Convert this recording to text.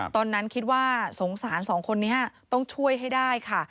ตอนนั้นคิดว่าสงสารสองคนนี้ต้องช่วยให้ได้ค่ะ